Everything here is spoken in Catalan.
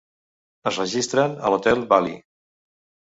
Es registren a l'hotel Bally.